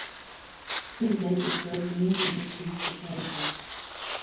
He was later expelled from Indian Institute of Technology.